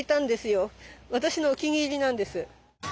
私のお気に入りなんです。